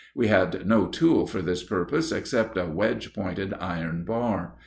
We had no tool for this purpose except a wedge pointed iron bar.